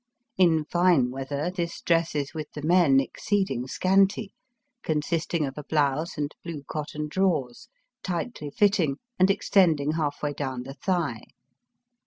In fine weather this dress is with the men exceeding scanty, consisting of a blouse and blue cotton drawers, tightly fitting and extending half way down the thigh.